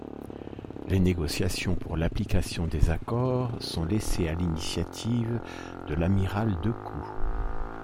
Les négociations pour l’application des accords sont laissées à l’initiative de l’amiral Decoux.